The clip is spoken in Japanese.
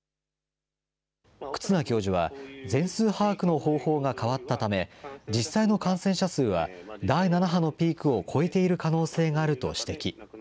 忽那教授は、全数把握の方法が変わったため、実際の感染者数は第７波のピークを超えている可能性があると指摘。